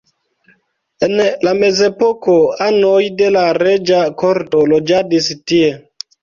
En la mezepoko anoj de la reĝa korto loĝadis tie.